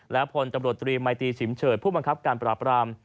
และพลตำรวจตรีมัยตีฉิมเฉิดผู้บังคับการปราบราม